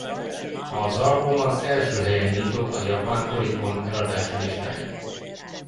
Az album az első helyen nyitott a japán Oricon eladási listáján.